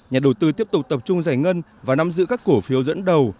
nhà đầu tư tiếp tục tập trung giải ngân và nắm giữ các cổ phiếu dẫn đầu